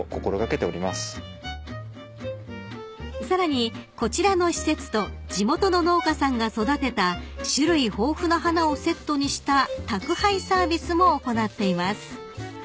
［さらにこちらの施設と地元の農家さんが育てた種類豊富な花をセットにした宅配サービスも行っています］